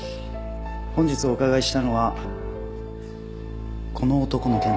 本日お伺いしたのはこの男の件です。